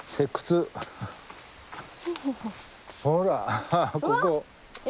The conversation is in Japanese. ほらここ。